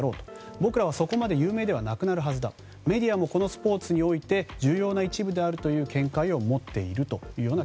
僕らはそこまで有名ではなくなるはずだメディアもこのスポーツにおいて重要な一部であるという見解を持っているという。